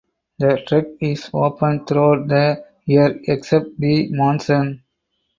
The trek is open throughout the year except the monsoon.